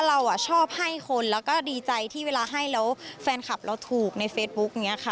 เราชอบให้คนแล้วก็ดีใจที่เวลาให้แล้วแฟนคลับเราถูกในเฟซบุ๊กอย่างนี้ค่ะ